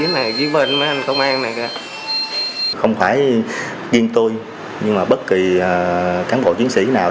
này chiến binh mấy anh công an này không phải riêng tôi nhưng mà bất kỳ cán bộ chiến sĩ nào